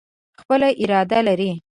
خپله اراده لري.